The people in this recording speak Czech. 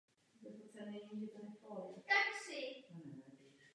Repertoár souboru se opíral převážně o sbírky tanců Vincence Sochy ze Lhotky.